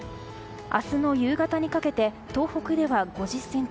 明日の夕方にかけて東北では５０ｃｍ